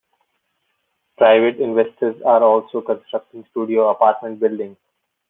Private investors are also constructing studio apartment buildings.